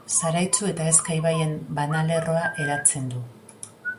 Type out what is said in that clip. Zaraitzu eta Ezka ibaien banalerroa eratzen du.